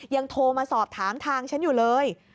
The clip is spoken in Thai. ยังโทรมาสอบถามทางฉันอยู่เลย